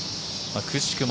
くしくも